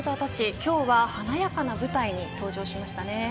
今日は華やかな舞台に登場しましたね。